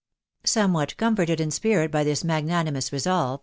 " Somewhat comforted in spirit by this magnanimous resolve.